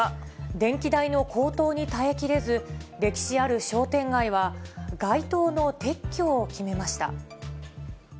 電気代の高騰に耐えきれず、歴史ある商店街は街灯の撤去を決めました。